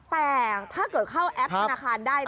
แต่ถ้าเกิดเข้าแอปธนาคารได้